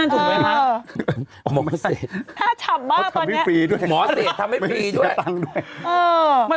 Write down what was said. ใช่ไหมมเย